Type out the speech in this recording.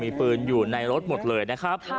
มีปืนอยู่ในรถหมดเลยนะครับ